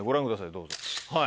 どうぞ。